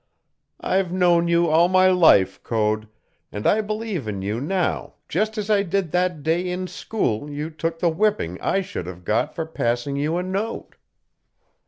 I've known you all my life, Code, and I believe in you now just as I did that day in school you took the whipping I should have got for passing you a note.